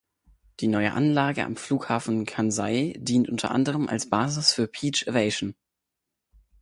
Die neue Anlage am Flughafen Kansai dient unter anderem als Basis für Peach Aviation.